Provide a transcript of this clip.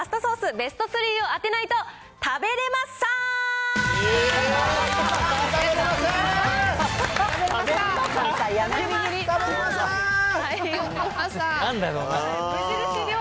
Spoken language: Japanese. ベスト３を当てないと、食べれま３！無理無理。